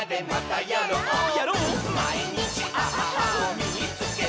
「まいにちアハハをみいつけた！」